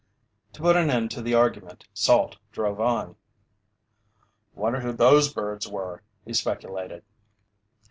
To put an end to the argument, Salt drove on. "Wonder who those birds were?" he speculated.